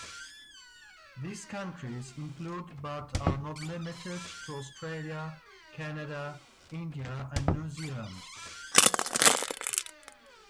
These countries include but are not limited to Australia, Canada, India, and New Zealand.